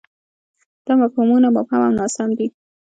دا مفهومونه مبهم او ناسم دي.